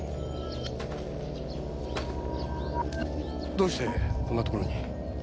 どうしてこんなところに？